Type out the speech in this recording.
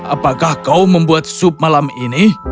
apakah kau membuat sup malam ini